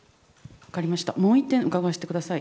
もう１点伺わせてください。